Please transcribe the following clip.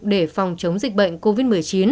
để phòng chống dịch bệnh covid một mươi chín